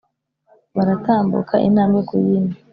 Baratambuka intambwe ku yindi